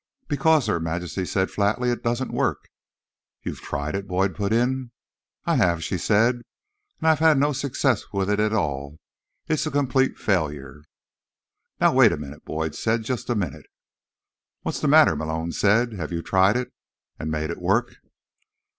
"Because," Her Majesty said flatly, "it doesn't work." "You've tried it?" Boyd put in. "I have," she said. "And I have had no success with it at all. It's a complete failure." "Now, wait a minute," Boyd said. "Just a minute." "What's the matter?" Malone said. "Have you tried it, and made it work?"